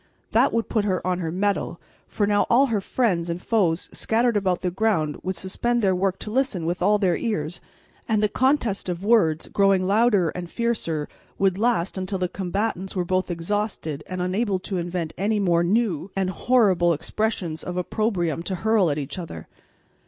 That would put her on her mettle; for now all her friends and foes scattered about the ground would suspend their work to listen with all their ears; and the contest of words growing louder and fiercer would last until the combatants were both exhausted and unable to invent any more new and horrible expressions of opprobrium to hurl at each other.